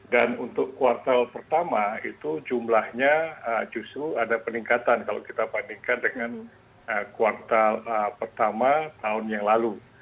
dan untuk kuartal pertama itu jumlahnya justru ada peningkatan kalau kita bandingkan dengan kuartal pertama tahun yang lalu